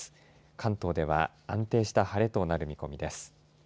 関東では安定した晴れとなる見込みです。